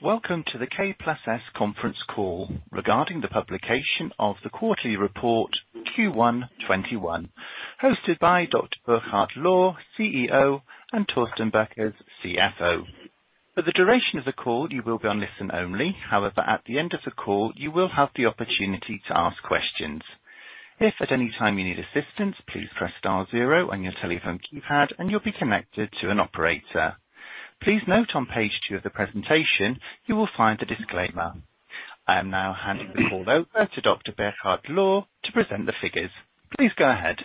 Welcome to the K+S conference call regarding the publication of the quarterly report Q1 2021, hosted by Dr. Burkhard Lohr, CEO, and Thorsten Boeckers, CFO. For the duration of the call, you will be on listen only. However, at the end of the call, you will have the opportunity to ask questions. If at any time you need assistance, please press star zero on your telephone keypad and you'll be connected to an operator. Please note on page two of the presentation, you will find the disclaimer. I am now handing the call over to Dr. Burkhard Lohr to present the figures. Please go ahead.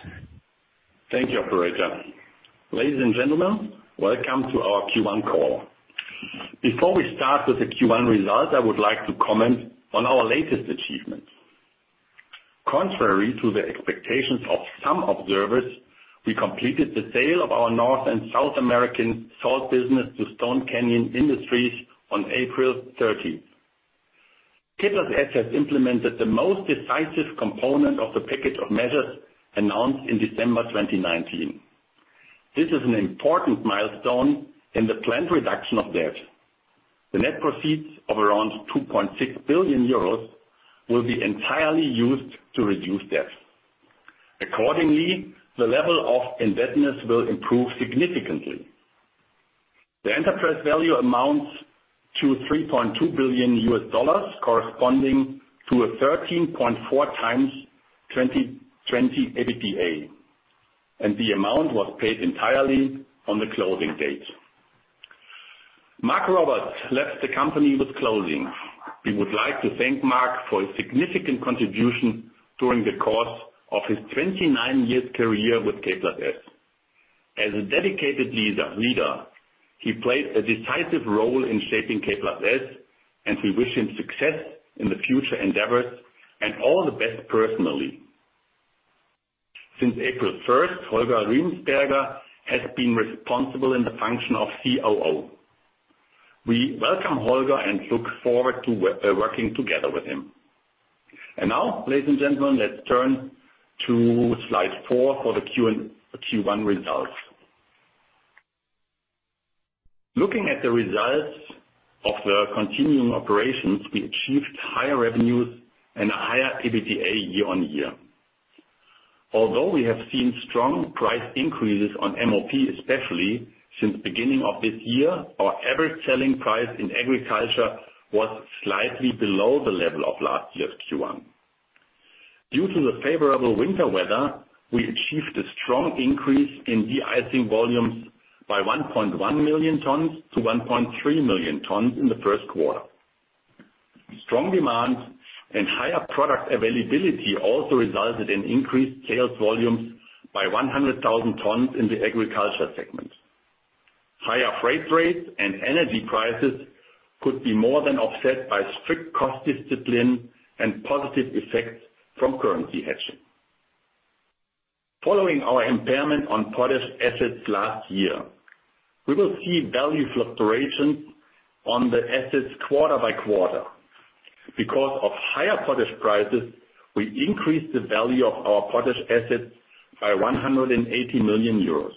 Thank you, operator. Ladies and gentlemen, welcome to our Q1 call. Before we start with the Q1 results, I would like to comment on our latest achievements. Contrary to the expectations of some observers, we completed the sale of our North and South American salt business to Stone Canyon Industries on April 30th. K+S has implemented the most decisive component of the package of measures announced in December 2019. This is an important milestone in the planned reduction of debt. The net proceeds of around 2.6 billion euros will be entirely used to reduce debt. The level of indebtedness will improve significantly. The enterprise value amounts to $3.2 billion, corresponding to a 13.4x 2020 EBITDA. The amount was paid entirely on the closing date. Mark Roberts left the company with closing. We would like to thank Mark for his significant contribution during the course of his 29 years career with K+S. As a dedicated leader, he played a decisive role in shaping K+S, and we wish him success in the future endeavors and all the best personally. Since April 1st, Holger Riemensperger has been responsible in the function of COO. We welcome Holger and look forward to working together with him. Now, ladies and gentlemen, let's turn to slide four for the Q1 results. Looking at the results of the continuing operations, we achieved higher revenues and higher EBITDA year-over-year. Although we have seen strong price increases on MOP, especially since the beginning of this year, our average selling price in agriculture was slightly below the level of last year's Q1. Due to the favorable winter weather, we achieved a strong increase in de-icing volumes by 1.1 million tons to 1.3 million tons in the first quarter. Strong demand and higher product availability also resulted in increased sales volumes by 100,000 tons in the agriculture segment. Higher freight rates and energy prices could be more than offset by strict cost discipline and positive effects from currency hedging. Following our impairment on potash assets last year, we will see value fluctuations on the assets quarter by quarter. Because of higher potash prices, we increased the value of our potash assets by 180 million euros.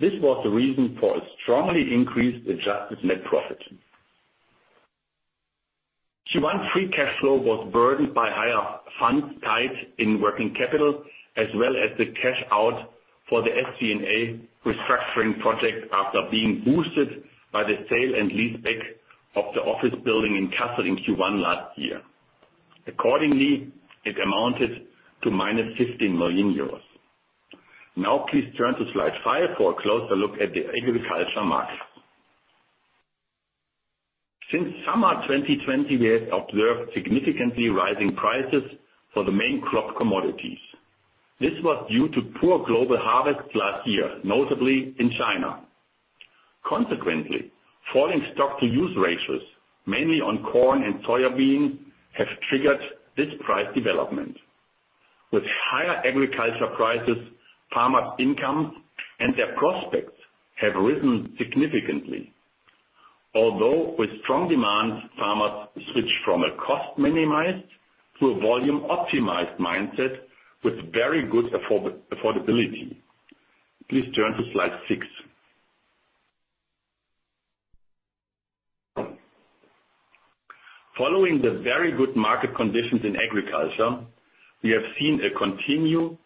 This was the reason for a strongly increased adjusted net profit. Q1 free cash flow was burdened by higher funds tied in working capital, as well as the cash out for the SG&A restructuring project after being boosted by the sale and leaseback of the office building in Kassel in Q1 last year. Accordingly, it amounted to minus 15 million euros. Please turn to slide five for a closer look at the agriculture market. Since summer 2020, we have observed significantly rising prices for the main crop commodities. This was due to poor global harvests last year, notably in China. Consequently, falling stock to use ratios, mainly on corn and soya beans, have triggered this price development. With higher agriculture prices, farmers' incomes and their prospects have risen significantly. With strong demand, farmers switch from a cost minimized to a volume optimized mindset with very good affordability. Please turn to slide six. Following the very good market conditions in agriculture, we continue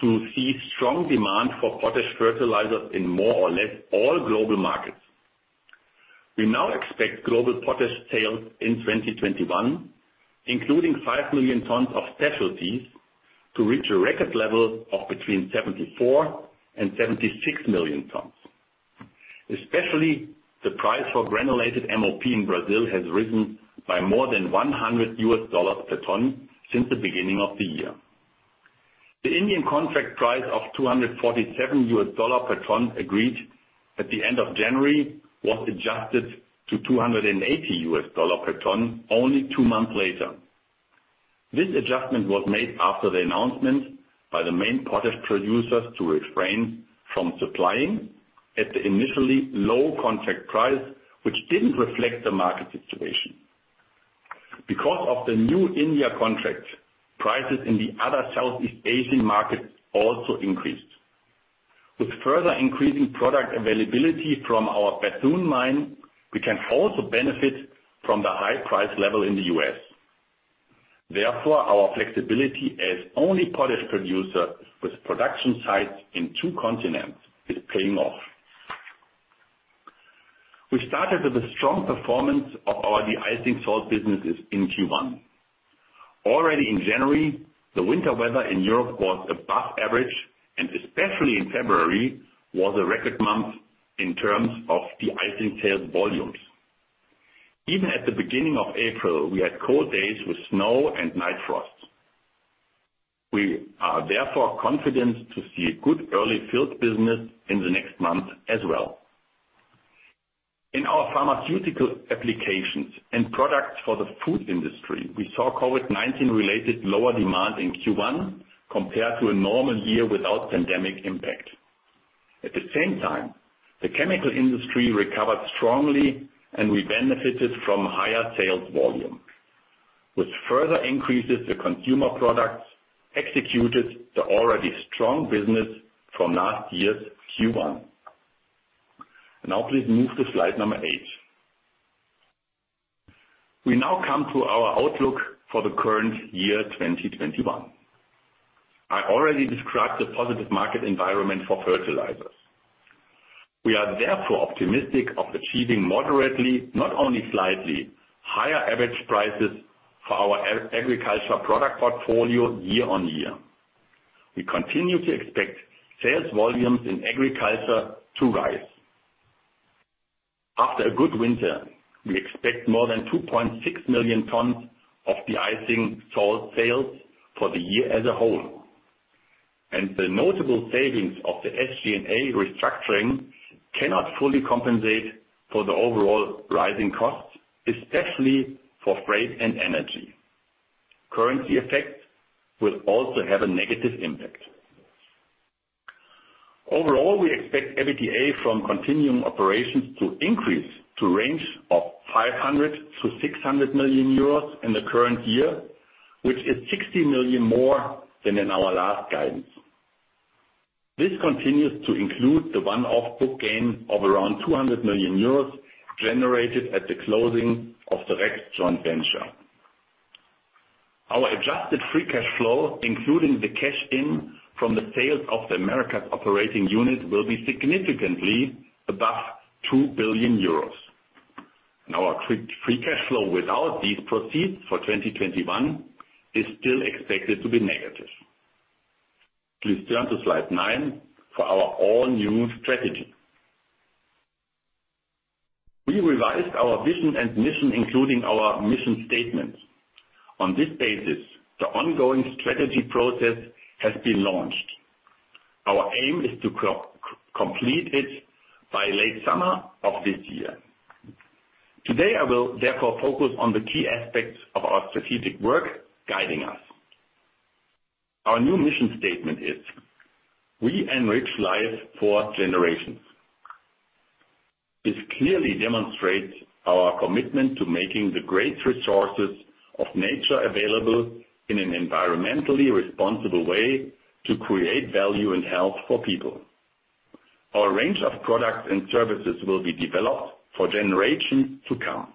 to see strong demand for potash fertilizers in more or less all global markets. We now expect global potash sales in 2021, including 5 million tons of specialties, to reach a record level of between 74 million and 76 million tons. Especially, the price for granulated MOP in Brazil has risen by more than $100 per ton since the beginning of the year. The Indian contract price of $247 per ton agreed at the end of January was adjusted to $280 per ton only two months later. This adjustment was made after the announcement by the main potash producers to refrain from supplying at the initially low contract price, which didn't reflect the market situation. Because of the new India contract, prices in the other Southeast Asian markets also increased. With further increasing product availability from our Bethune mine, we can also benefit from the high price level in the U.S. Our flexibility as only potash producer with production sites in two continents is paying off. We started with a strong performance of our de-icing salt businesses in Q1. In January, the winter weather in Europe was above average, and especially in February, was a record month in terms of de-icing sales volumes. Even at the beginning of April, we had cold days with snow and night frost. We are confident to see a good early field business in the next month as well. In our pharmaceutical applications and products for the food industry, we saw COVID-19 related lower demand in Q1 compared to a normal year without pandemic impact. At the same time, the chemical industry recovered strongly, we benefited from higher sales volume, which further increases the consumer products executed the already strong business from last year's Q1. Now please move to slide number eight. We now come to our outlook for the current year, 2021. I already described the positive market environment for fertilizers. We are therefore optimistic of achieving moderately, not only slightly, higher average prices for our agricultural product portfolio year-over-year. We continue to expect sales volumes in agriculture to rise. After a good winter, we expect more than 2.6 million tons of de-icing salt sales for the year as a whole, the notable savings of the SG&A restructuring cannot fully compensate for the overall rising costs, especially for freight and energy. Currency effect will also have a negative impact. Overall, we expect EBITDA from continuing operations to increase to range of 500 million-600 million euros in the current year, which is 60 million more than in our last guidance. This continues to include the one-off book gain of around 200 million euros generated at the closing of the REKS joint venture. Our adjusted free cash flow, including the cash in from the sales of the Americas Operating Unit, will be significantly above 2 billion euros. Now, our free cash flow without these proceeds for 2021 is still expected to be negative. Please turn to slide nine for our all-new strategy. We revised our vision and mission, including our mission statement. On this basis, the ongoing strategy process has been launched. Our aim is to complete it by late summer of this year. Today, I will therefore focus on the key aspects of our strategic work guiding us. Our new mission statement is: we enrich lives for generations. This clearly demonstrates our commitment to making the great resources of nature available in an environmentally responsible way to create value and health for people. Our range of products and services will be developed for generations to come.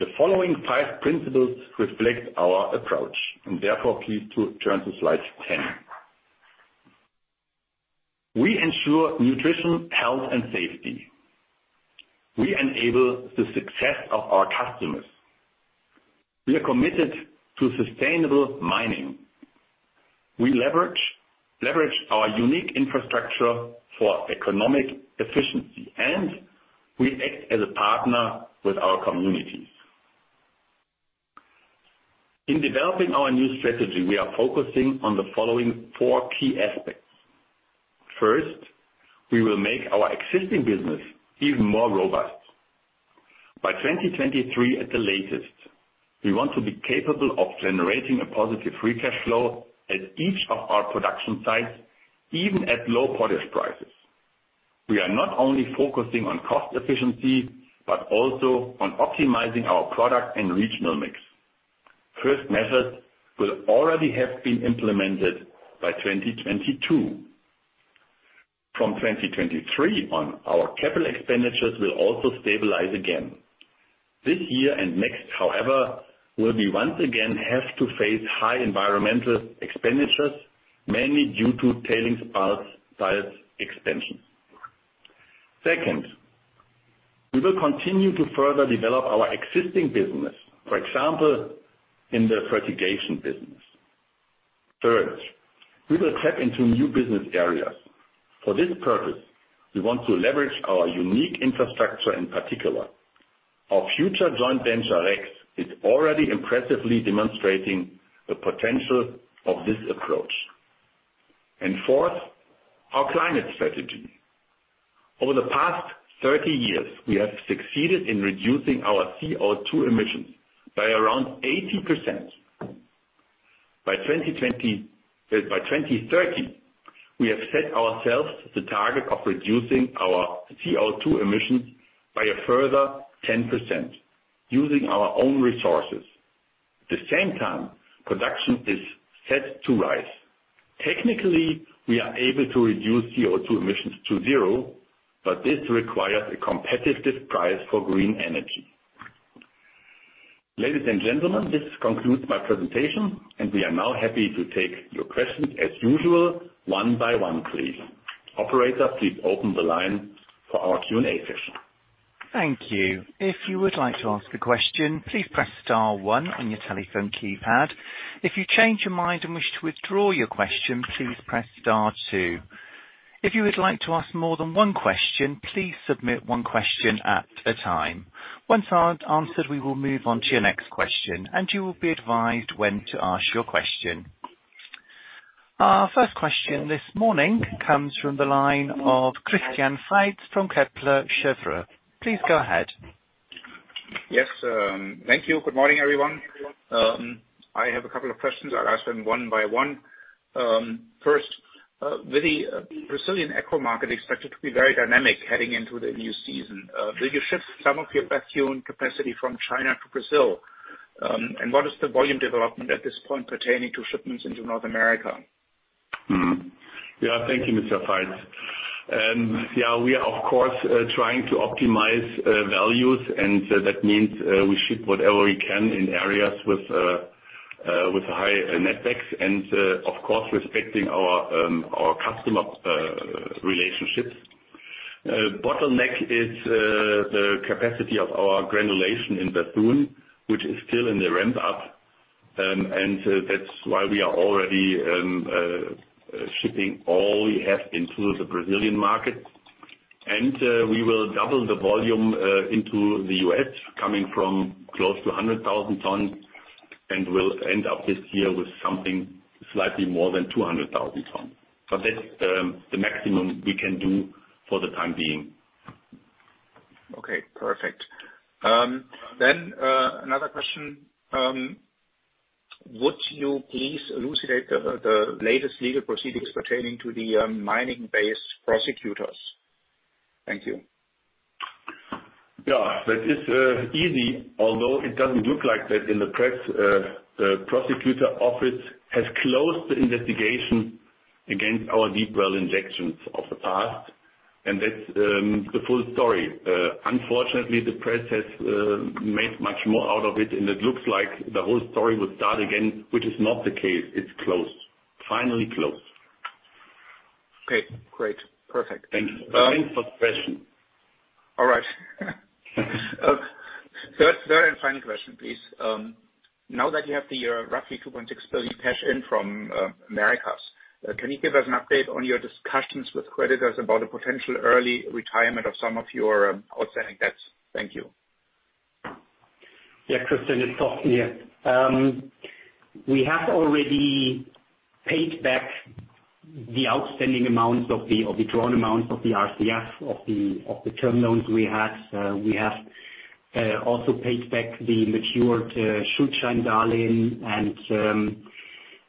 The following five principles reflect our approach, and therefore please turn to slide 10. We ensure nutrition, health, and safety. We enable the success of our customers. We are committed to sustainable mining. We leverage our unique infrastructure for economic efficiency, and we act as a partner with our communities. In developing our new strategy, we are focusing on the following four key aspects. First, we will make our existing business even more robust. By 2023 at the latest, we want to be capable of generating a positive free cash flow at each of our production sites, even at low potash prices. We are not only focusing on cost efficiency, but also on optimizing our product and regional mix. First measures will already have been implemented by 2022. From 2023 on, our capital expenditures will also stabilize again. This year and next, however, will we once again have to face high environmental expenditures, mainly due to tailings piles expansion. Second, we will continue to further develop our existing business, for example, in the fertigation business. Third, we will tap into new business areas. For this purpose, we want to leverage our unique infrastructure in particular. Our future joint venture, REKS, is already impressively demonstrating the potential of this approach. Fourth, our climate strategy. Over the past 30 years, we have succeeded in reducing our CO2 emissions by around 80%. By 2030, we have set ourselves the target of reducing our CO2 emissions by a further 10%, using our own resources. At the same time, production is set to rise. Technically, we are able to reduce CO2 emissions to zero, but this requires a competitive price for green energy. Ladies and gentlemen, this concludes my presentation, and we are now happy to take your questions as usual, one by one, please. Operator, please open the line for our Q&A session. Thank you. If you would like to ask a question, please press star one on your telephone keypad. If you change your mind and wish to withdraw your question, please press star two. If you would like to ask more than one question, please submit one question at a time. Once answered, we will move on to your next question, and you will be advised when to ask your question. Our first question this morning comes from the line of Christian Faitz from Kepler Cheuvreux. Please go ahead. Thank you. Good morning, everyone. I have a couple of questions. I'll ask them one by one. First, with the Brazilian ag market expected to be very dynamic heading into the new season, will you shift some of your Bethune capacity from China to Brazil? What is the volume development at this point pertaining to shipments into North America? Thank you, Mr. Faitz. Yeah, we are, of course, trying to optimize values, and so that means we ship whatever we can in areas with high net backs and, of course, respecting our customer relationships. A bottleneck is the capacity of our granulation in Bethune, which is still in the ramp-up. That's why we are already shipping all we have into the Brazilian market. We will double the volume into the U.S., coming from close to 100,000 tons, and we will end up this year with something slightly more than 200,000 tons. That's the maximum we can do for the time being. Okay, perfect. Another question. Would you please elucidate the latest legal proceedings pertaining to the mining base prosecutors? Thank you. That is easy, although it doesn't look like that in the press. The prosecutor's office has closed the investigation against our deep well injections of the past, and that's the full story. Unfortunately, the press has made much more out of it, and it looks like the whole story will start again, which is not the case. It's closed. Finally closed. Okay, great. Perfect. Thank you. Thanks for the question. All right. Third and final question, please. Now that you have the roughly 2.6 billion cash in from Americas, can you give us an update on your discussions with creditors about a potential early retirement of some of your outstanding debts? Thank you. Yeah, Christian, it's Thorsten. We have already paid back the outstanding amount of the drawn amount of the RCF, of the term loans we had. We have also paid back the matured Schuldscheindarlehen, and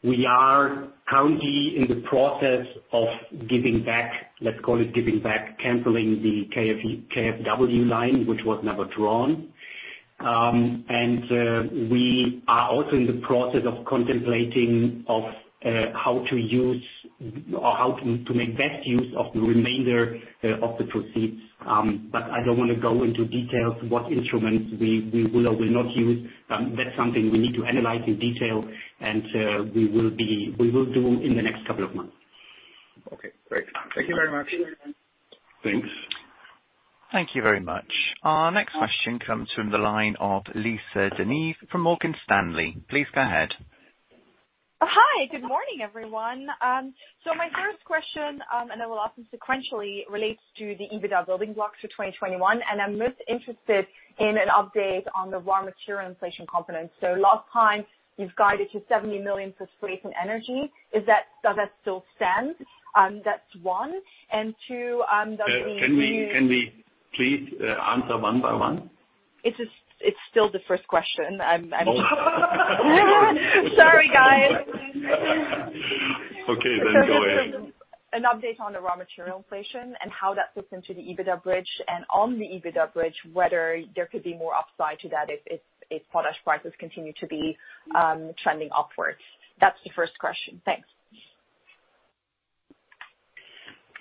we are currently in the process of giving back, let's call it giving back, canceling the KfW line, which was never drawn. We are also in the process of contemplating of how to make best use of the remainder of the proceeds. I don't want to go into details what instruments we will or will not use. That's something we need to analyze in detail, and we will do in the next couple of months. Okay, great. Thank you very much. Thanks. Thank you very much. Our next question comes from the line of Lisa De Neve from Morgan Stanley. Please go ahead. Hi. Good morning, everyone. My first question, and I will ask them sequentially, relates to the EBITDA building blocks for 2021, and I'm most interested in an update on the raw material inflation component. Last time you've guided to 70 million for freight and energy. Does that still stand? That's one. Two, does the- Can we please answer one by one? It's still the first question. Oh. Sorry, guys. Okay, go ahead. An update on the raw material inflation and how that fits into the EBITDA bridge and on the EBITDA bridge, whether there could be more upside to that if potash prices continue to be trending upwards. That's the first question. Thanks.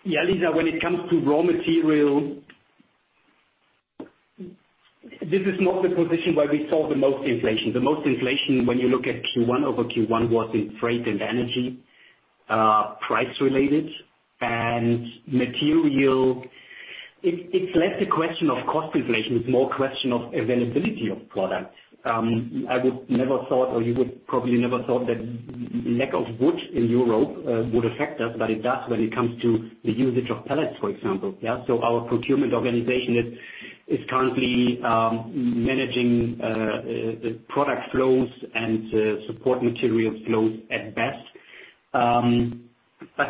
Lisa, when it comes to raw material, this is not the position where we saw the most inflation. The most inflation, when you look at Q1 over Q1, was in freight and energy, price related. Material, it's less a question of cost inflation, it's more a question of availability of product. I would never thought, or you would probably never thought that lack of wood in Europe would affect us, but it does when it comes to the usage of pellets, for example. Our procurement organization is currently managing product flows and support material flows at best.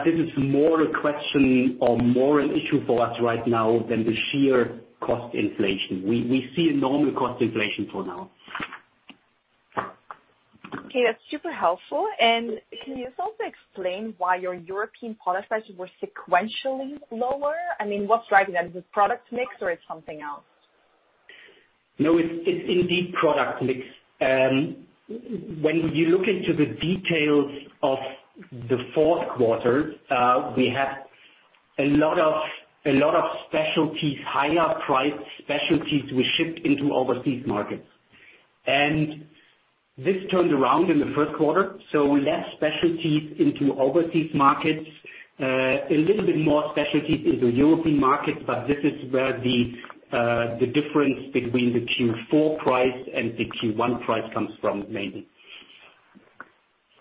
This is more a question or more an issue for us right now than the sheer cost inflation. We see a normal cost inflation for now. Okay. That's super helpful. Can you also explain why your European potash prices were sequentially lower? I mean, what's driving them? Is it product mix or it's something else? No, it's indeed product mix. When you look into the details of the fourth quarter, we had a lot of specialties, higher priced specialties we shipped into overseas markets. This turned around in the first quarter, so less specialties into overseas markets, a little bit more specialties in the European markets, but this is where the difference between the Q4 price and the Q1 price comes from mainly.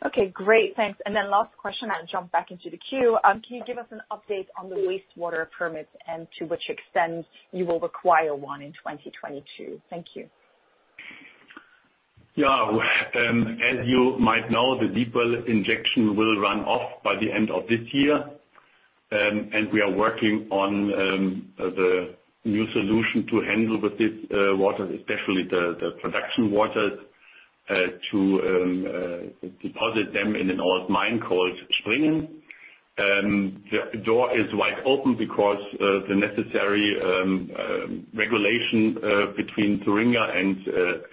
Okay, great. Thanks. Last question and I'll jump back into the queue. Can you give us an update on the wastewater permits and to which extent you will require one in 2022? Thank you. Yeah. As you might know, the deep well injection will run off by the end of this year. We are working on the new solution to handle with this water, especially the production waters, to deposit them in an old mine called Springen. The door is wide open because the necessary regulation between Thuringia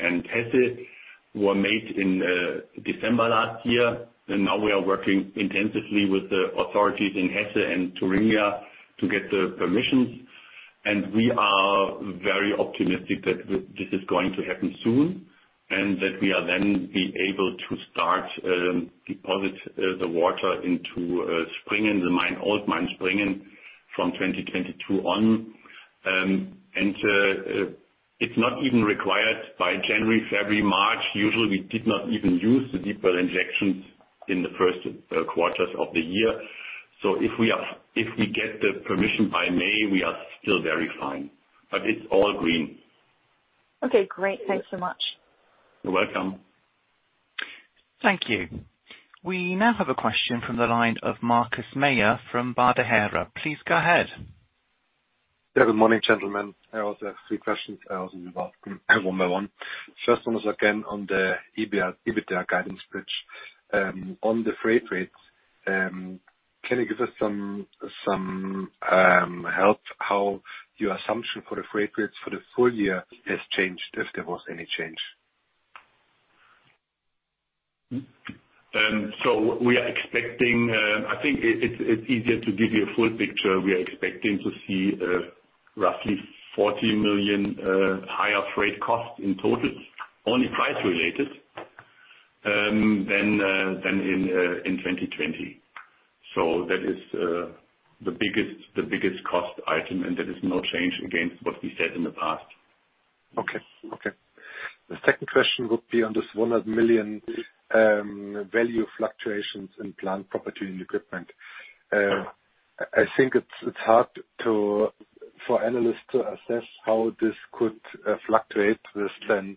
and Hesse were made in December last year. Now we are working intensively with the authorities in Hesse and Thuringia to get the permissions. We are very optimistic that this is going to happen soon, and that we are then be able to start deposit the water into Springen, the old mine Springen from 2022 on. It's not even required by January, February, March. Usually we did not even use the deep well injections in the first quarters of the year. If we get the permission by May, we are still very fine, but it's all green. Okay, great. Thanks so much. You're welcome. Thank you. We now have a question from the line of Markus Mayer from Baader Bank. Please go ahead. Yeah. Good morning, gentlemen. I also have three questions I also will ask one by one. First one is again on the EBITDA guidance, which, on the freight rates, can you give us some help how your assumption for the freight rates for the full year has changed if there was any change? We are expecting, I think it's easier to give you a full picture. We are expecting to see roughly 40 million higher freight costs in total, only price related, than in 2020. That is the biggest cost item, and there is no change against what we said in the past. Okay. The second question would be on this 100 million, value fluctuations in plant property and equipment. I think it's hard for analysts to assess how this could fluctuate this, then,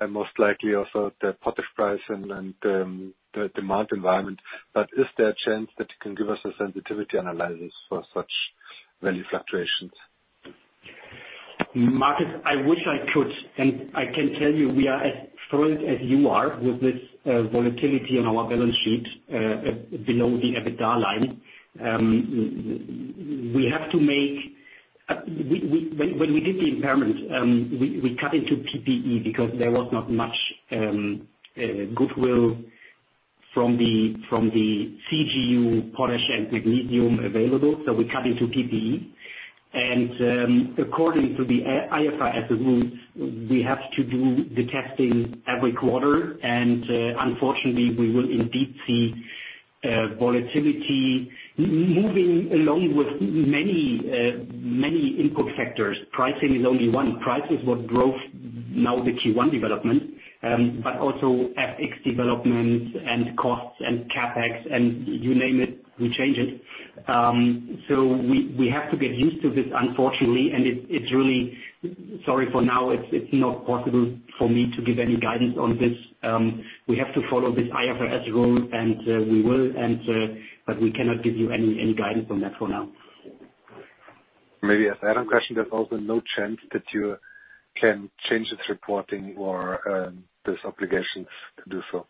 and most likely also the potash price and the demand environment. Is there a chance that you can give us a sensitivity analysis for such value fluctuations? Markus, I wish I could. I can tell you we are as thrilled as you are with this volatility on our balance sheet below the EBITDA line. When we did the impairment, we cut into PPE because there was not much goodwill from the CGU potash and magnesium available. We cut into PPE. According to the IFRS rules, we have to do the testing every quarter. Unfortunately, we will indeed see volatility moving along with many input factors. Pricing is only one. Price is what drove now the Q1 development, but also FX development and costs and CapEx, and you name it, we change it. We have to get used to this, unfortunately. It's really, sorry for now, it's not possible for me to give any guidance on this. We have to follow this IFRS rule, and we will, but we cannot give you any guidance on that for now. Maybe as add-on question, there's also no chance that you can change this reporting or these obligations to do so?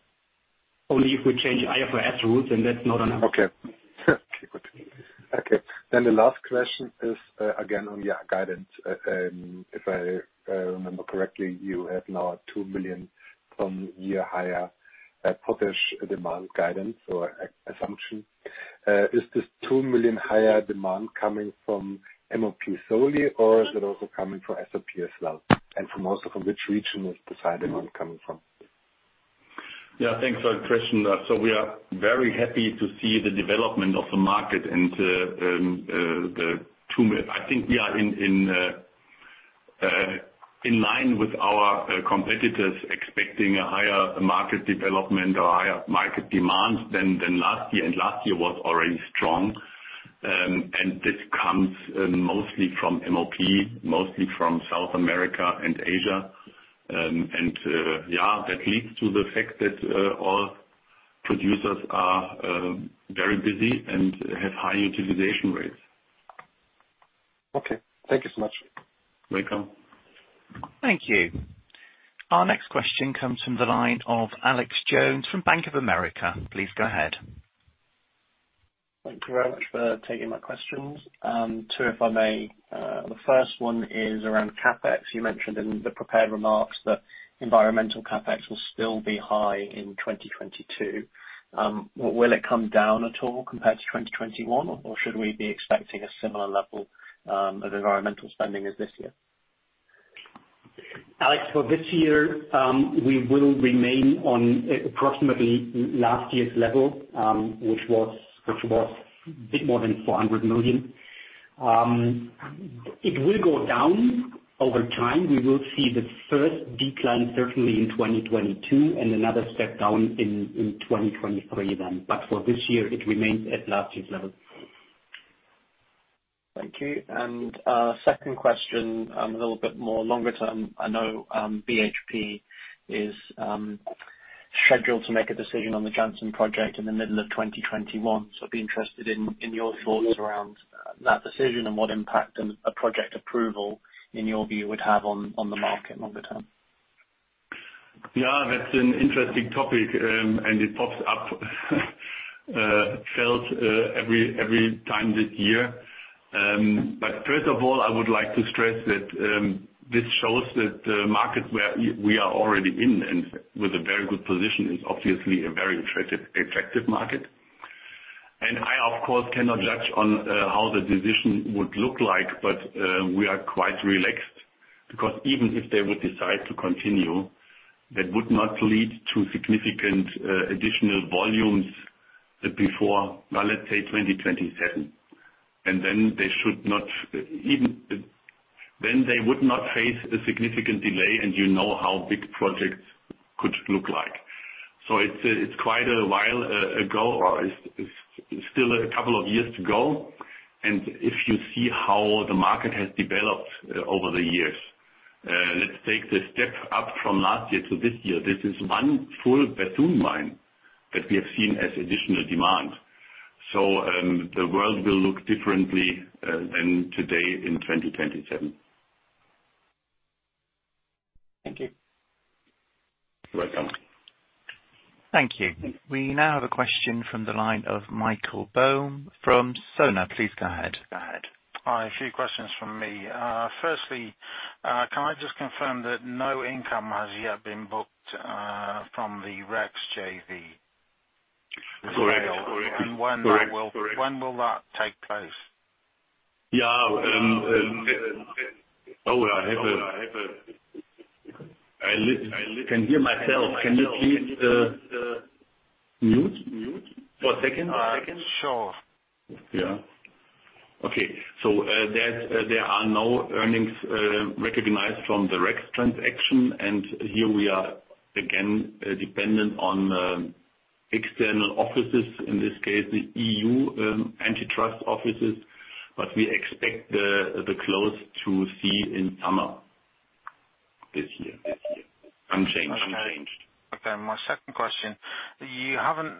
Only if we change IFRS rules, and that's not on us. Okay. Good. The last question is, again on your guidance. If I remember correctly, you have now 2 million ton year higher potash demand guidance or assumption. Is this 2 million higher demand coming from MOP solely, or is it also coming from SOP as well? Also from which region is the said amount coming from? Yeah, thanks for the question. We are very happy to see the development of the market. I think we are in line with our competitors expecting a higher market development or higher market demand than last year, and last year was already strong. This comes mostly from MOP, mostly from South America and Asia. That leads to the fact that all producers are very busy and have high utilization rates. Okay. Thank you so much. Welcome. Thank you. Our next question comes from the line of Alex Jones from Bank of America. Please go ahead. Thank you very much for taking my questions. Two, if I may. The first one is around CapEx. You mentioned in the prepared remarks that environmental CapEx will still be high in 2022. Will it come down at all compared to 2021, or should we be expecting a similar level of environmental spending as this year? Alex, for this year, we will remain on approximately last year's level, which was a bit more than 400 million. It will go down over time. We will see the first decline certainly in 2022, and another step down in 2023 then. For this year, it remains at last year's level. Thank you. Second question, a little bit more longer term. I know BHP is scheduled to make a decision on the Jansen project in the middle of 2021. I'd be interested in your thoughts around that decision, and what impact a project approval, in your view, would have on the market longer term. Yeah, that's an interesting topic, and it pops up every time this year. First of all, I would like to stress that this shows that the market where we are already in, and with a very good position, is obviously a very attractive market. I, of course, cannot judge on how the decision would look like, but we are quite relaxed. Even if they would decide to continue, that would not lead to significant additional volumes before, well, let's say 2027. Then they would not face a significant delay, and you know how big projects could look like. It's quite a while ago, or it's still a couple of years to go. If you see how the market has developed over the years, let's take the step up from last year to this year. This is one full Bethune mine that we have seen as additional demand. The world will look differently than today in 2027. Thank you. You're welcome. Thank you. We now have a question from the line of Michael Boam from Sona. Please go ahead. Hi. A few questions from me. Firstly, can I just confirm that no income has yet been booked from the REKS JV? Correct. When will that take place? Hold, I can hear myself. Can you please mute for a second? Sure. Yeah. Okay. There are no earnings recognized from the REKS transaction. Here we are again, dependent on external offices, in this case, the EU antitrust offices. We expect the close to see in summer this year. Unchanged. Okay. My second question. You haven't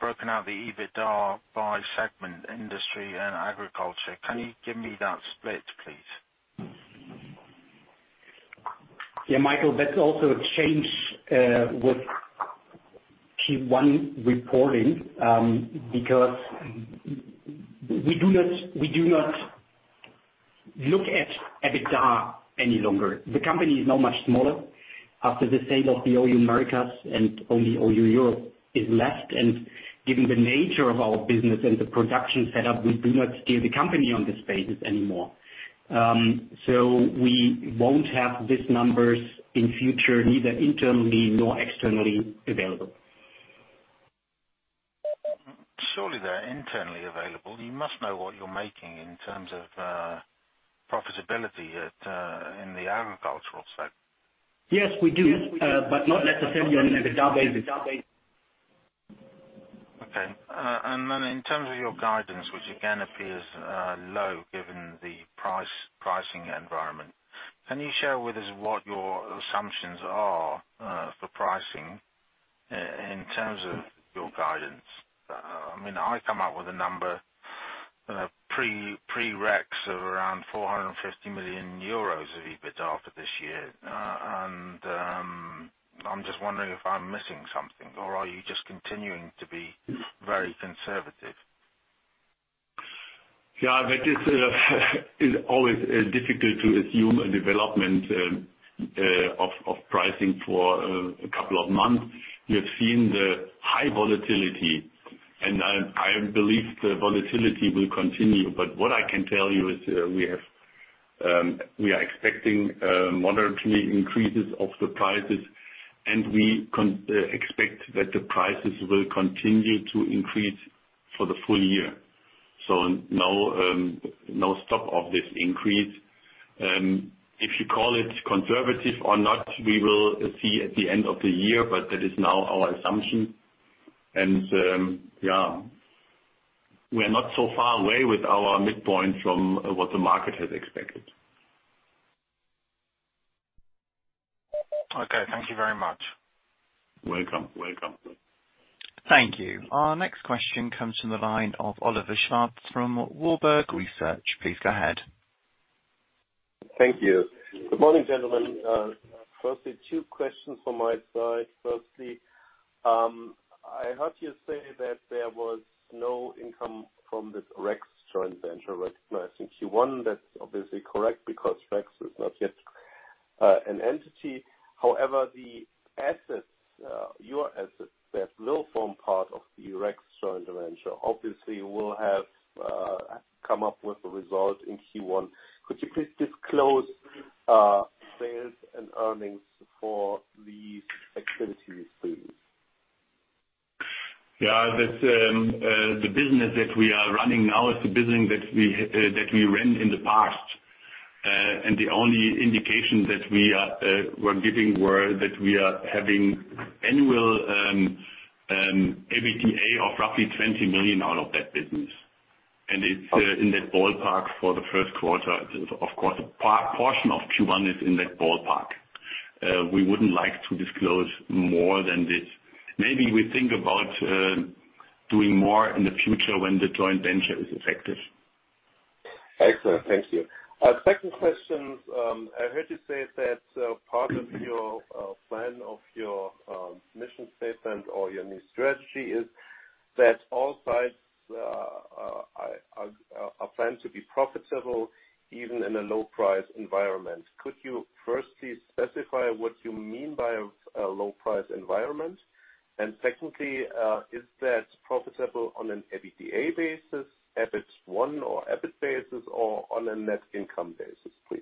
broken out the EBITDA by segment, industry, and agriculture. Can you give me that split, please? Yeah, Michael, that's also a change with Q1 reporting, because we do not look at EBITDA any longer. The company is now much smaller after the sale of the OU Americas, and only OU Europe is left. Given the nature of our business and the production set-up, we do not steer the company on this basis anymore. We won't have these numbers in future, neither internally nor externally available. Surely they're internally available. You must know what you're making in terms of profitability in the agricultural sector. Yes, we do. Not necessarily on an EBITDA basis. Okay. Then in terms of your guidance, which again appears low given the pricing environment, can you share with us what your assumptions are for pricing in terms of your guidance? I come up with a number pre-REKS of around 450 million euros of EBITDA for this year. I'm just wondering if I'm missing something or are you just continuing to be very conservative? Yeah, that is always difficult to assume a development of pricing for a couple of months. We have seen the high volatility, and I believe the volatility will continue. What I can tell you is we are expecting moderate increases of the prices, and we expect that the prices will continue to increase for the full year. No stop of this increase. If you call it conservative or not, we will see at the end of the year, but that is now our assumption. We are not so far away with our midpoint from what the market has expected. Okay, thank you very much. Welcome. Welcome. Thank you. Our next question comes from the line of Oliver Schwarz from Warburg Research. Please go ahead. Thank you. Good morning, gentlemen. Firstly, two questions from my side. Firstly, I heard you say that there was no income from this REKS joint venture recognized in Q1. That is obviously correct, because REKS is not yet an entity. However, the assets, your assets, that will form part of the REKS joint venture, obviously will have come up with a result in Q1. Could you please disclose sales and earnings for these activities, please? Yeah. The business that we are running now is the business that we ran in the past. The only indication that we were giving were that we are having annual EBITDA of roughly 20 million out of that business. It's in that ballpark for the first quarter. Of course, a portion of Q1 is in that ballpark. We wouldn't like to disclose more than this. Maybe we think about doing more in the future when the joint venture is effective. Excellent. Thank you. Second question. I heard you say that part of your plan of your mission statement or your new strategy is that all sites are planned to be profitable even in a low price environment. Could you firstly specify what you mean by a low price environment? Secondly, is that profitable on an EBITDA basis, EBIT basis, or on a net income basis, please?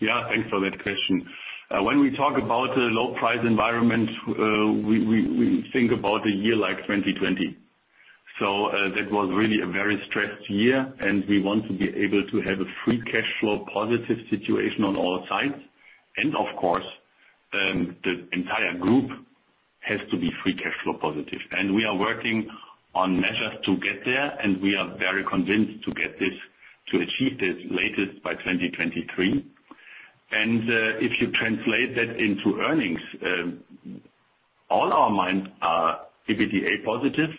Thanks for that question. When we talk about a low price environment, we think about a year like 2020. That was really a very stressed year, and we want to be able to have a free cash flow positive situation on all sides. Of course, the entire group has to be free cash flow positive. We are working on measures to get there, and we are very convinced to achieve this latest by 2023. If you translate that into earnings, all our mines are EBITDA positive.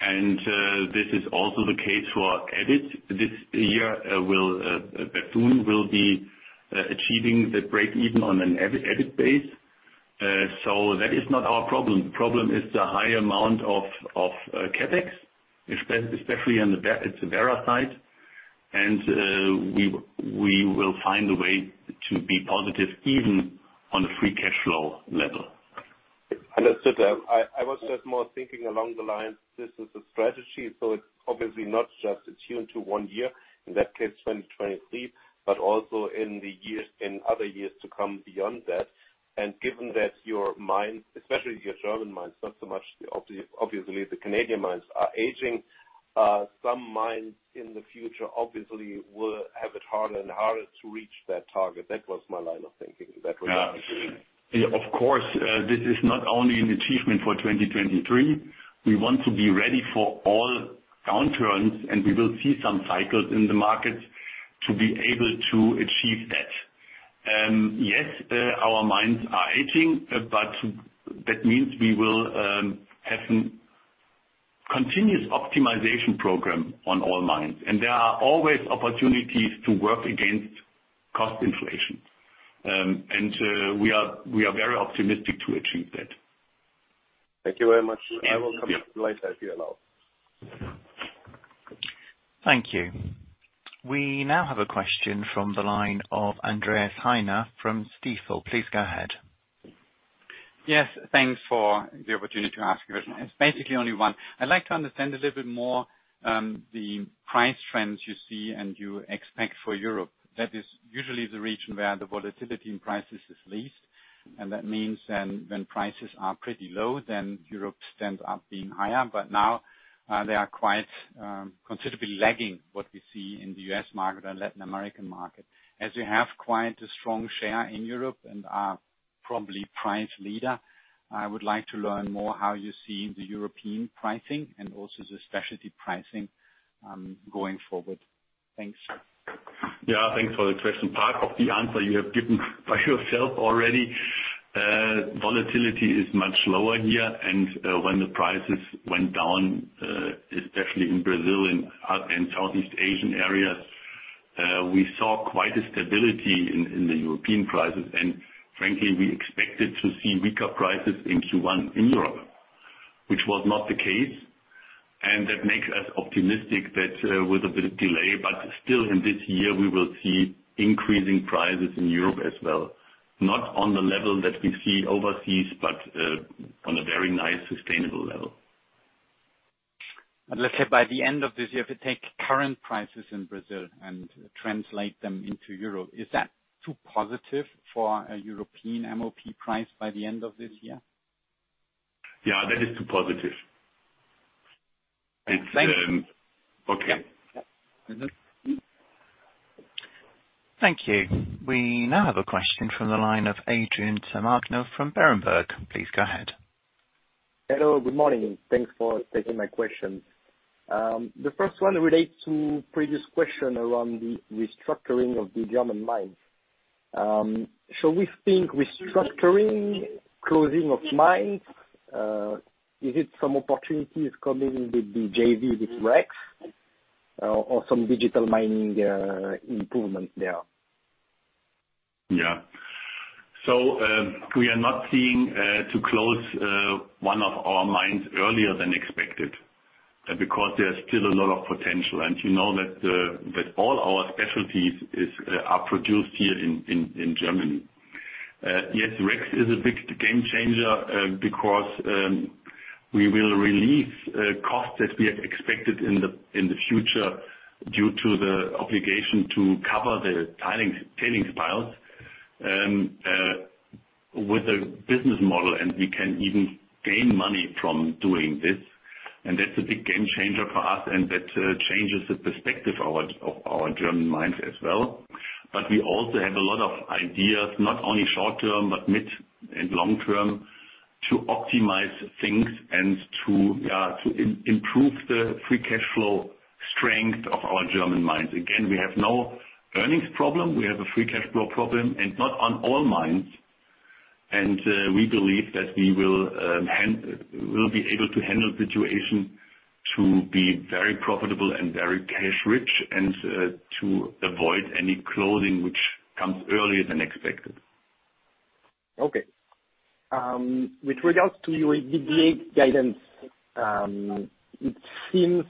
This is also the case for our EBIT. This year, Bethune will be achieving the break even on an EBIT base. That is not our problem. Problem is the high amount of CapEx, especially on the Werra side. We will find a way to be positive even on a free cash flow level. Understood. I was just more thinking along the lines, this is a strategy, so it's obviously not just attuned to one year, in that case 2023, but also in other years to come beyond that. Given that your mines, especially your German mines, not so much, obviously the Canadian mines are aging. Some mines in the future obviously will have it harder and harder to reach that target. That was my line of thinking. That was my thinking. This is not only an achievement for 2023. We want to be ready for all downturns, and we will see some cycles in the market to be able to achieve that. Yes, our mines are aging, but that means we will have a continuous optimization program on all mines. There are always opportunities to work against cost inflation. We are very optimistic to achieve that. Thank you very much. I will come back to you later if you allow. Thank you. We now have a question from the line of Andreas Heine from Stifel. Please go ahead. Yes, thanks for the opportunity to ask a question. It is basically only one. I would like to understand a little bit more, the price trends you see and you expect for Europe. That is usually the region where the volatility in prices is least. That means when prices are pretty low, then Europe stands up being higher. Now, they are quite considerably lagging what we see in the U.S. market and Latin American market. As you have quite a strong share in Europe and are probably price leader, I would like to learn more how you see the European pricing and also the specialty pricing going forward. Thanks. Yeah, thanks for the question. Part of the answer you have given by yourself already. Volatility is much lower here. When the prices went down, especially in Brazil and Southeast Asian areas, we saw quite a stability in the European prices. Frankly, we expected to see weaker prices in Q1 in Europe, which was not the case. That makes us optimistic that with a bit of delay, but still in this year, we will see increasing prices in Europe as well. Not on the level that we see overseas, but on a very nice, sustainable level. Let's say by the end of this year, if you take current prices in Brazil and translate them into euro, is that too positive for a European MOP price by the end of this year? Yeah, that is too positive. Thank you. Okay. Thank you. We now have a question from the line of Adrien Tamagno from Berenberg. Please go ahead. Hello, good morning. Thanks for taking my question. The first one relates to previous question around the restructuring of the German mines. Shall we think restructuring, closing of mines? Is it some opportunities coming with the JV with REKS, or some digital mining improvement there? Yeah. We are not seeing to close one of our mines earlier than expected, because there's still a lot of potential. You know that all our specialties are produced here in Germany. Yes, REKS is a big game changer because we will release costs that we have expected in the future due to the obligation to cover the tailings piles, with a business model, and we can even gain money from doing this. That's a big game changer for us and that changes the perspective of our German mines as well. We also have a lot of ideas, not only short-term, but mid and long-term, to optimize things and to improve the free cash flow strength of our German mines. Again, we have no earnings problem. We have a free cash flow problem, and not on all mines. We believe that we'll be able to handle the situation to be very profitable and very cash rich and to avoid any closing which comes earlier than expected. Okay. With regards to your EBITDA guidance, it seems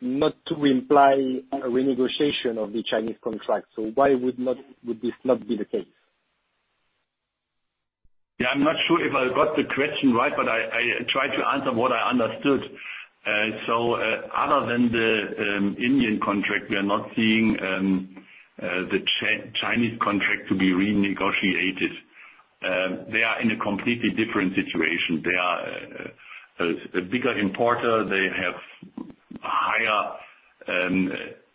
not to imply a renegotiation of the Chinese contract. Why would this not be the case? I'm not sure if I got the question right, but I try to answer what I understood. Other than the Indian contract, we are not seeing the Chinese contract to be renegotiated. They are in a completely different situation. They are a bigger importer. They have higher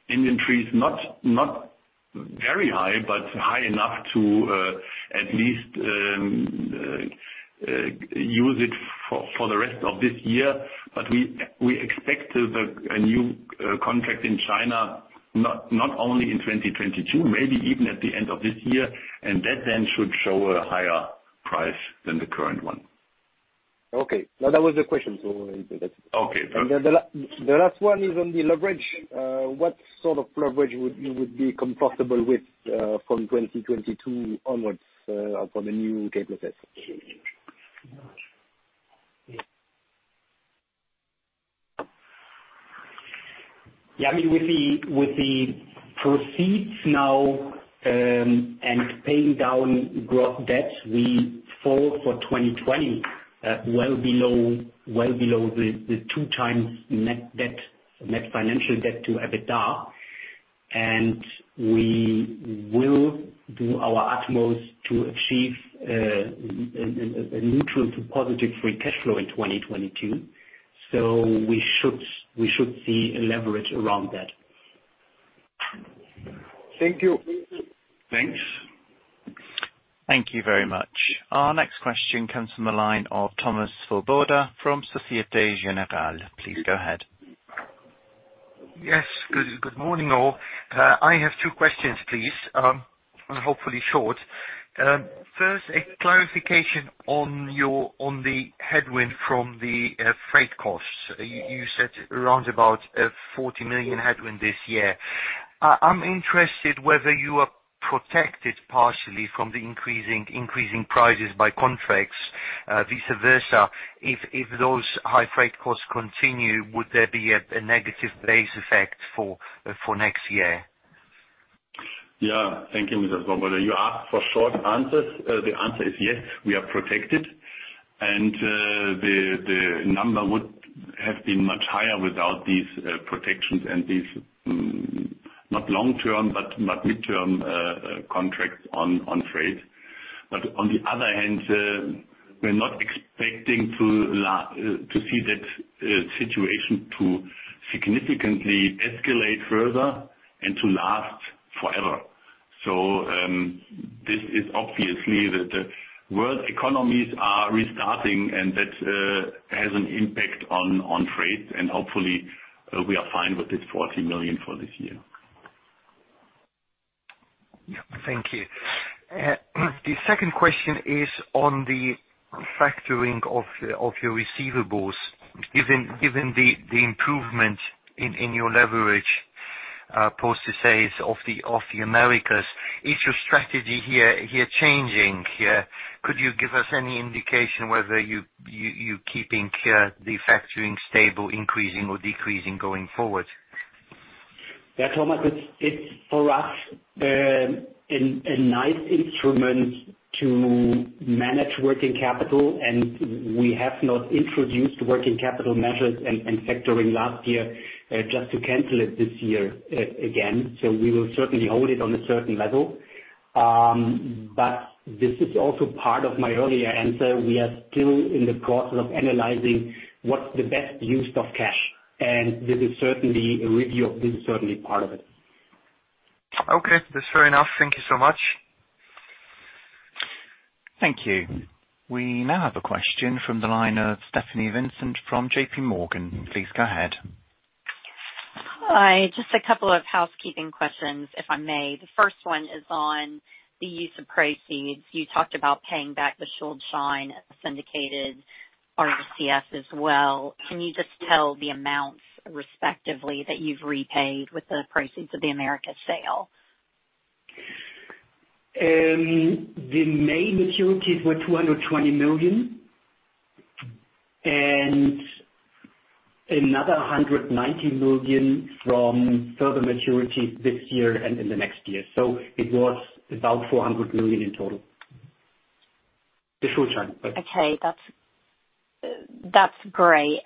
inventories, not very high, but high enough to at least use it for the rest of this year. We expected a new contract in China, not only in 2022, maybe even at the end of this year, and that then should show a higher price than the current one. Okay. No, that was the question. Okay. The last one is on the leverage. What sort of leverage you would be comfortable with from 2022 onwards for the new K+S? With the proceeds now and paying down gross debts, we fall for 2020 well below the two times net financial debt to EBITDA, and we will do our utmost to achieve a neutral to positive free cash flow in 2022. We should see a leverage around that. Thank you. Thanks. Thank you very much. Our next question comes from the line of Thomas Swoboda from Societe Generale. Please go ahead. Yes. Good morning, all. I have two questions, please. Hopefully short. First, a clarification on the headwind from the freight costs. You said around about a 40 million headwind this year. I'm interested whether you are protected partially from the increasing prices by contracts, vice versa. If those high freight costs continue, would there be a negative base effect for next year? Yeah. Thank you, Mr. Swoboda. You asked for short answers. The answer is yes, we are protected, and the number would have been much higher without these protections and these, not long-term, but midterm contracts on freight. On the other hand, we're not expecting to see that situation to significantly escalate further and to last forever. This is obviously that the world economies are restarting, and that has an impact on freight, and hopefully we are fine with this 40 million for this year. Yeah. Thank you. The second question is on the factoring of your receivables, given the improvement in your leverage, post the sales of the Americas. Is your strategy here changing here? Could you give us any indication whether you keeping the factoring stable, increasing or decreasing going forward? Thomas, it's for us, a nice instrument to manage working capital, and we have not introduced working capital measures and factoring last year just to cancel it this year again. We will certainly hold it on a certain level. This is also part of my earlier answer. We are still in the process of analyzing what's the best use of cash, and a review of this is certainly part of it. Okay. That's fair enough. Thank you so much. Thank you. We now have a question from the line of Stephanie Vincent from JPMorgan. Please go ahead. Hi. Just a couple of housekeeping questions, if I may. The first one is on the use of proceeds. You talked about paying back the Schuldschein syndicated RCF as well. Can you just tell the amounts respectively that you've repaid with the proceeds of the Americas sale? The main maturities were 220 million, and another 190 million from further maturity this year and in the next year. It was about 400 million in total. The Schuldschein. Okay. That's great.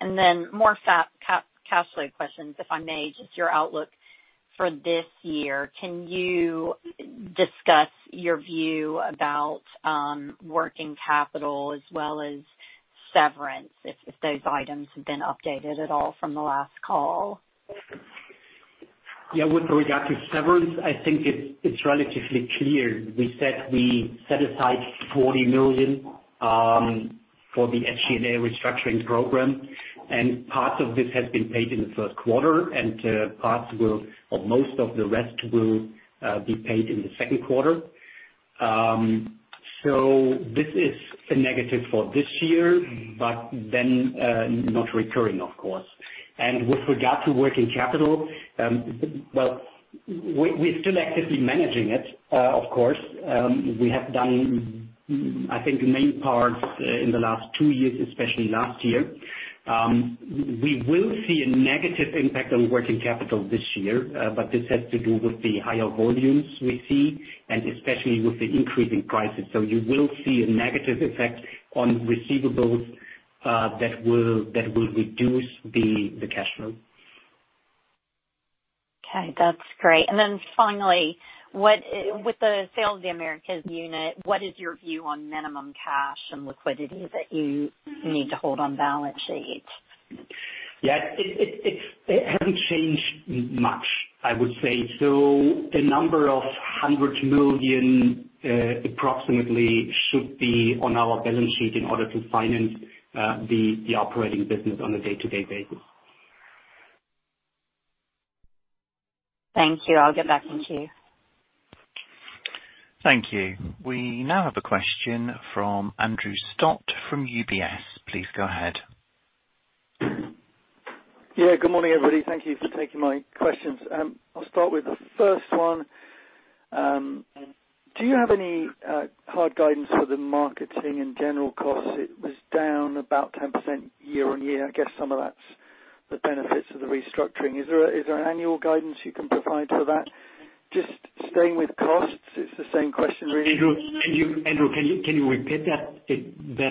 More cash flow questions, if I may. Just your outlook for this year. Can you discuss your view about working capital as well as severance, if those items have been updated at all from the last call? Yeah. With regard to severance, I think it's relatively clear. We said we set aside 40 million for the SG&A restructuring program. Part of this has been paid in the first quarter. Most of the rest will be paid in the second quarter. This is a negative for this year, not recurring, of course. With regard to working capital, we're still actively managing it, of course. We have done, I think, the main part in the last two years, especially last year. We will see a negative impact on working capital this year. This has to do with the higher volumes we see, especially with the increasing prices. You will see a negative effect on receivables that will reduce the cash flow. Okay. That's great. Then finally, with the sale of the Americas unit, what is your view on minimum cash and liquidity that you need to hold on balance sheet? Yeah. It hasn't changed much, I would say. A number of 100 million approximately should be on our balance sheet in order to finance the operating business on a day-to-day basis. Thank you. I'll get back to you. Thank you. We now have a question from Andrew Stott from UBS. Please go ahead. Good morning, everybody. Thank you for taking my questions. I'll start with the first one. Do you have any hard guidance for the marketing and general costs? It was down about 10% year-on-year. I guess some of that's the benefits of the restructuring. Is there an annual guidance you can provide for that? Just staying with costs, it's the same question, really. Andrew, can you repeat that? Yeah.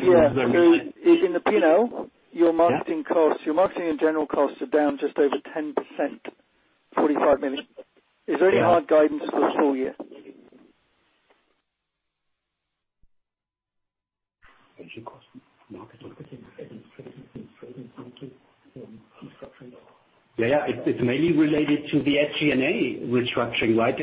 In the P&L, your marketing and general costs are down just over 10%, 45 million. Is there any hard guidance for the full year? Yeah. It's mainly related to the HGNA restructuring. Right?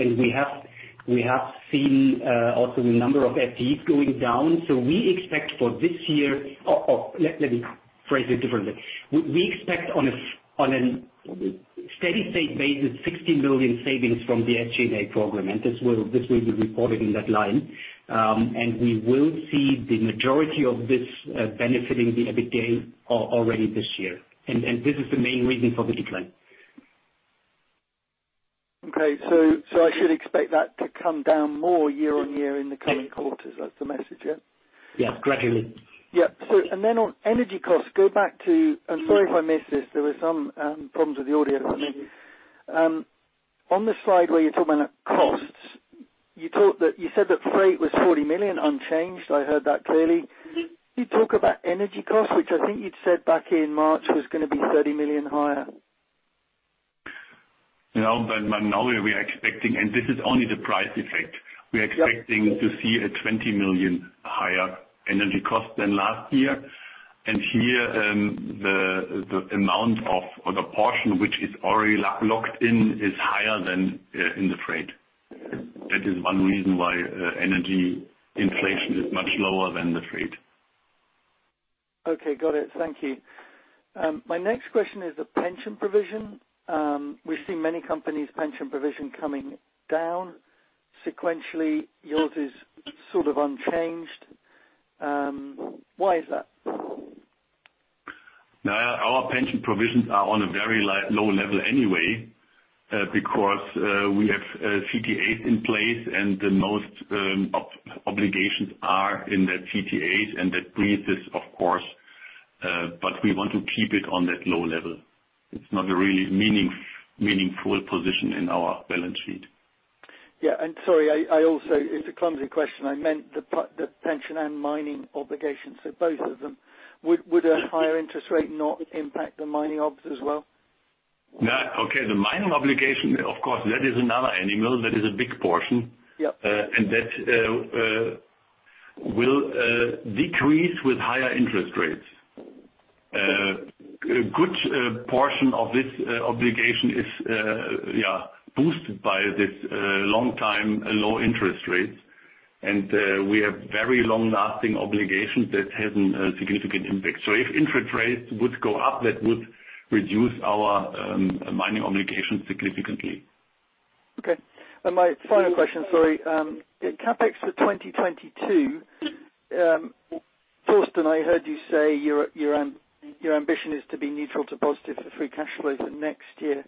We have seen also the number of FTEs going down. We expect for this year. Oh, let me phrase it differently. We expect on a steady state basis, 16 million savings from the HGNA program, and this will be reported in that line. We will see the majority of this benefiting the EBITDA already this year. This is the main reason for the decline. Okay. I should expect that to come down more year-on-year in the coming quarters. That's the message, yeah? Yeah. Gradually. Yeah. On energy costs, go back to, and sorry if I missed this, there were some problems with the audio for me. On the slide where you're talking about costs, you said that freight was 40 million unchanged. I heard that clearly. Can you talk about energy costs, which I think you'd said back in March was going to be 30 million higher. Now we are expecting, and this is only the price effect, we are expecting to see a 20 million higher energy cost than last year. Here, the amount of, or the portion which is already locked in is higher than in the freight. That is one reason why energy inflation is much lower than the freight. Okay. Got it. Thank you. My next question is the pension provision. We've seen many companies' pension provision coming down sequentially. Yours is sort of unchanged. Why is that? Our pension provisions are on a very low level anyway, because we have CTAs in place and the most obligations are in the CTAs, and that brings this, of course, but we want to keep it on that low level. It's not a really meaningful position in our balance sheet. Yeah. Sorry, it's a clumsy question. I meant the pension and mining obligations, so both of them. Would a higher interest rate not impact the mining ops as well? Okay. The mining obligation, of course, that is another animal. That is a big portion. Yep. That will decrease with higher interest rates. A good portion of this obligation is boosted by this long-time low interest rates. We have very long-lasting obligations that have a significant impact. If interest rates would go up, that would reduce our mining obligations significantly. Okay. My final question, sorry. CapEx for 2022. Thorsten, I heard you say your ambition is to be neutral to positive for free cash flow for next year.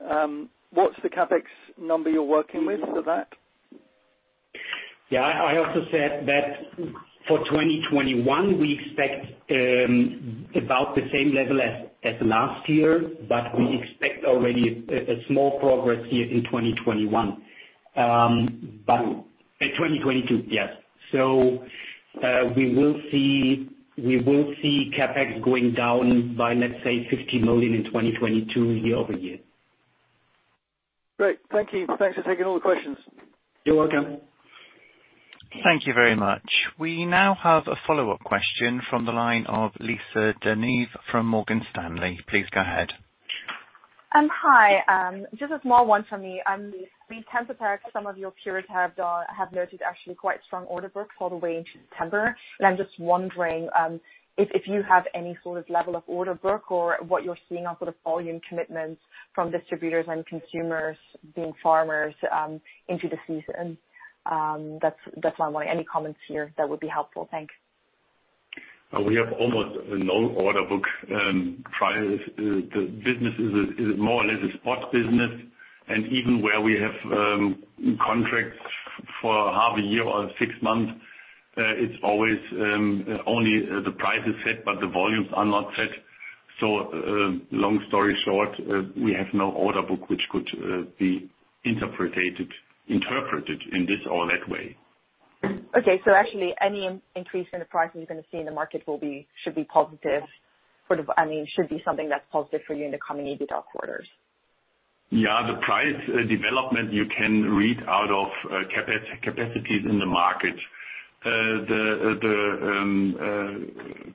What's the CapEx number you're working with for that? I also said that for 2021, we expect about the same level as last year, but we expect already a small progress here in 2021. In 2022, yes. We will see CapEx going down by, let's say, 50 million in 2022, year-over-year. Great. Thank you. Thanks for taking all the questions. You're welcome. Thank you very much. We now have a follow-up question from the line of Lisa De Neve from Morgan Stanley. Please go ahead. Hi. Just a small one from me. We tend to peg some of your peers have noted actually quite strong order books all the way into September, and I'm just wondering if you have any sort of level of order book or what you're seeing on volume commitments from distributors and consumers, being farmers, into the season. That's my one. Any comments here, that would be helpful. Thanks. We have almost no order book. The business is more or less a spot business. Even where we have contracts for half a year or six months, it's always only the price is set, but the volumes are not set. Long story short, we have no order book which could be interpreted in this or that way. Okay. actually any increase in the pricing you're going to see in the market should be something that's positive for you in the coming EBITDA quarters? Yeah. The price development you can read out of capacities in the market. The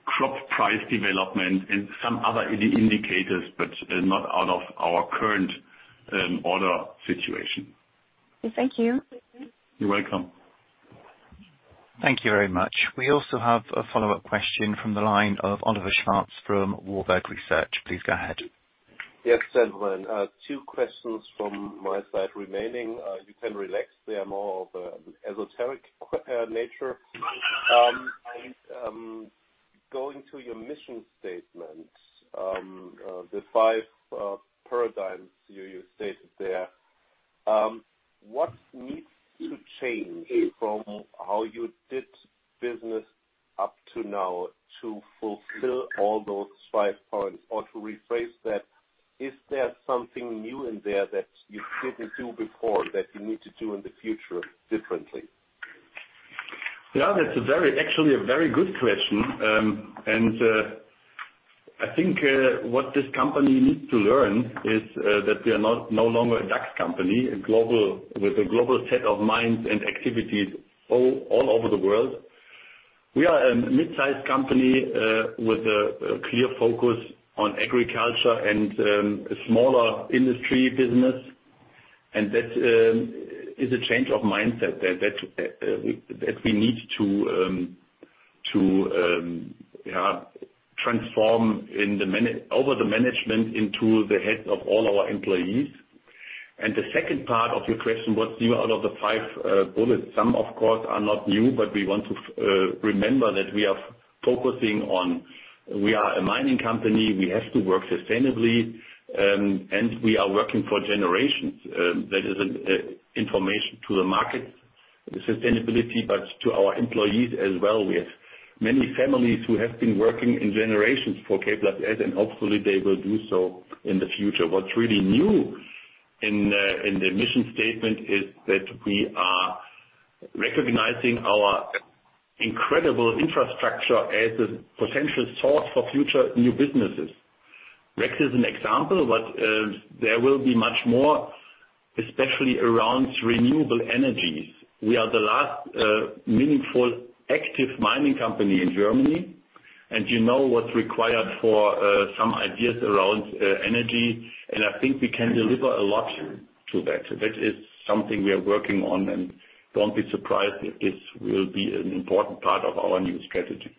crop price development and some other indicators, but not out of our current order situation. Thank you. You're welcome. Thank you very much. We also have a follow-up question from the line of Oliver Schwarz from Warburg Research. Please go ahead. Yes. Gentlemen, two questions from my side remaining. You can relax, they are more of an esoteric nature. Going to your mission statement, the five paradigms you stated there. What needs to change from how you did business up to now to fulfill all those five points? Or to rephrase that, is there something new in there that you didn't do before that you need to do in the future differently? That's actually a very good question. I think what this company needs to learn is that we are no longer a DAX company, with a global set of minds and activities all over the world. We are a mid-size company with a clear focus on agriculture and a smaller industry business. That is a change of mindset that we need to transform over the management into the heads of all our employees. The second part of your question, what's new out of the five bullets? Some, of course, are not new, but we want to remember that we are focusing on we are a mining company, we have to work sustainably, and we are working for generations. That is information to the market, sustainability, but to our employees as well. We have many families who have been working in generations for K+S, and hopefully they will do so in the future. What's really new in the mission statement is that we are recognizing our incredible infrastructure as a potential source for future new businesses. REKS is an example, but there will be much more, especially around renewable energies. We are the last meaningful active mining company in Germany, and you know what's required for some ideas around energy, and I think we can deliver a lot to that. That is something we are working on, and don't be surprised if this will be an important part of our new strategy.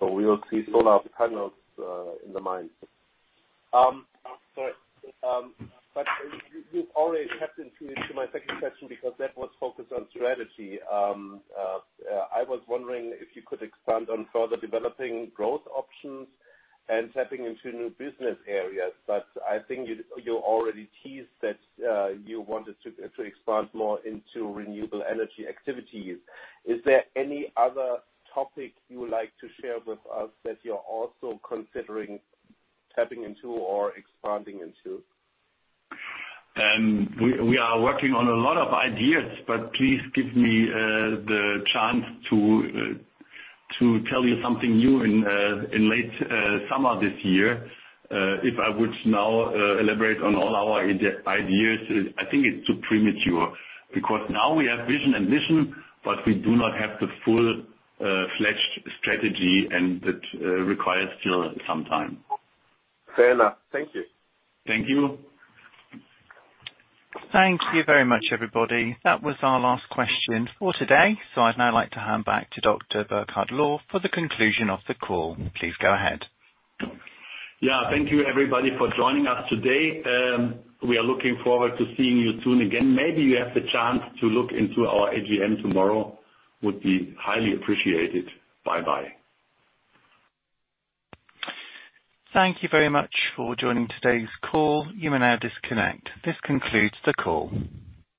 We will see solar panels in the mines. You've already tapped into my second question because that was focused on strategy. I was wondering if you could expand on further developing growth options and tapping into new business areas. I think you already teased that you wanted to expand more into renewable energy activities. Is there any other topic you would like to share with us that you're also considering tapping into or expanding into? We are working on a lot of ideas, but please give me the chance to tell you something new in late summer this year. If I would now elaborate on all our ideas, I think it's too premature. Because now we have vision and mission, but we do not have the full-fledged strategy, and that requires still some time. Fair enough. Thank you. Thank you. Thank you very much, everybody. That was our last question for today. I'd now like to hand back to Dr. Burkhard Lohr for the conclusion of the call. Please go ahead. Thank you everybody for joining us today. We are looking forward to seeing you soon again. Maybe you have the chance to look into our AGM tomorrow. Would be highly appreciated. Bye bye. Thank you very much for joining today's call. You may now disconnect. This concludes the call.